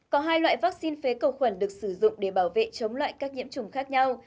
có hai loại vaccine phế cầu khuẩn được sử dụng để bảo vệ chống lại các nhiễm trùng khác nhau